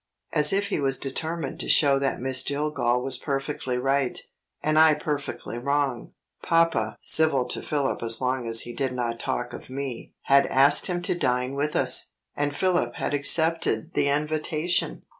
As if he was determined to show that Miss Jillgall was perfectly right, and I perfectly wrong, papa (civil to Philip as long as he did not talk of Me) had asked him to dine with us, and Philip had accepted the invitation!